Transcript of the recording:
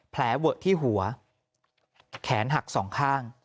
แผลเวอะที่หัวแขนหักสองข้าง